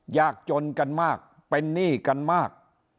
ยากจนกันมากเป็นหนี้กันมาก